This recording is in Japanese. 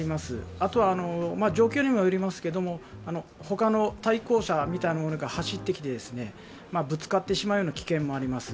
あとは状況にもよりますけど対向車みたいなものが走ってきて、ぶつかってしまう危険もあります。